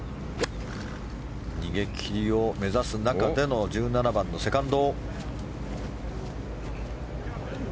逃げ切りを目指す中での１７番のセカンド。